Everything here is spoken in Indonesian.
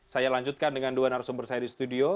saya lanjutkan dengan dua narasumber saya di studio